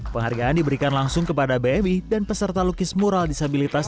penghargaan diberikan langsung kepada bmi dan peserta lukis mural disabilitas